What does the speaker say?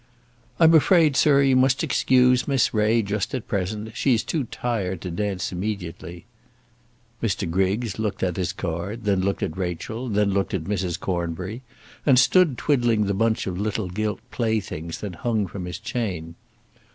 "I'm afraid, sir, you must excuse Miss Ray just at present. She's too tired to dance immediately." Mr. Griggs looked at his card, then looked at Rachel, then looked at Mrs. Cornbury, and stood twiddling the bunch of little gilt playthings that hung from his chain.